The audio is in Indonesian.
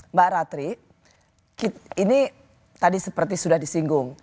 mbak ratri ini tadi seperti sudah disinggung